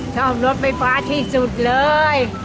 รถไฟฟ้าที่สุดเลย